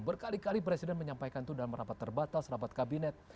berkali kali presiden menyampaikan itu dalam rapat terbatas rapat kabinet